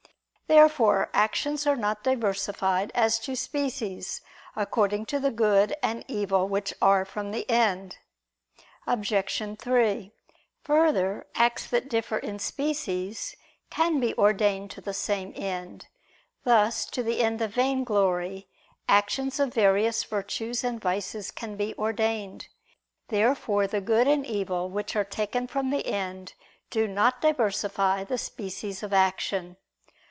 Therefore actions are not diversified as to species, according to the good and evil which are from the end. Obj. 3: Further, acts that differ in species, can be ordained to the same end: thus to the end of vainglory, actions of various virtues and vices can be ordained. Therefore the good and evil which are taken from the end, do not diversify the species of action.